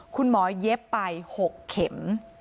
คุณหมอยเย็บไป๖เข็ม